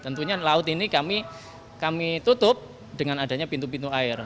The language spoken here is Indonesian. tentunya laut ini kami tutup dengan adanya pintu pintu air